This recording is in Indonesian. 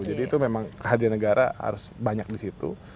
jadi itu memang kehadiran negara harus banyak di situ